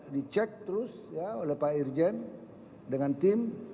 di cek terus oleh pak irjen dengan tim